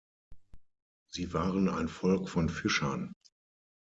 Sie waren ein Volk von Fischern.